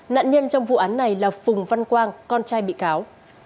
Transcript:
nạn nhân trong vụ án này là phùng văn quang con trai bị cáo